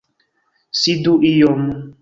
Sidu iom!